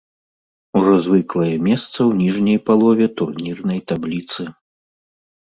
Ужо звыклае месца ў ніжняй палове турнірнай табліцы.